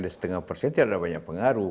ada setengah persen tidak ada banyak pengaruh